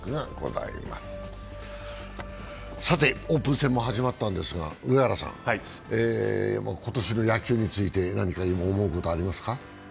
オープン戦も始まったんですが、今年の野球について何か思うことありますか？